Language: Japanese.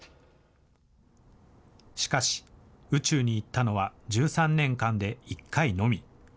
しかし、宇宙に行ったのは１３年間で１回のみ。